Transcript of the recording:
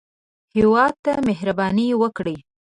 هېواد ته مهرباني وکړئ